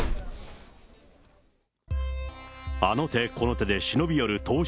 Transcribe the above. あの手この手で忍び寄る投資